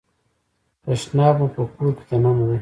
تشناب مو په کور کې دننه دی؟